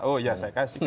oh ya saya kasih